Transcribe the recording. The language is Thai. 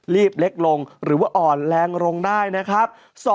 เล็กลงหรือว่าอ่อนแรงลงได้นะครับ